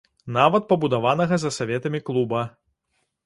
Нават пабудаванага за саветамі клуба.